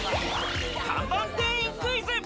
看板店員クイズ。